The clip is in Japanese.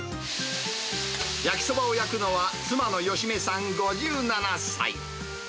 焼きそばを焼くのは、妻の美芽さん５７歳。